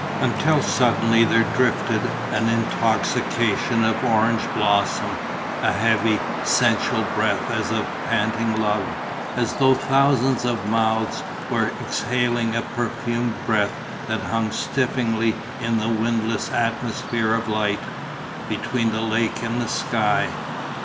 Until suddenly there drifted an intoxication of orange blossom, a heavy, sensual breath as of panting love, as though thousands of mouths were exhaling a perfumed breath that hung stiflingly in the windless atmosphere of light, between the lake and the sky.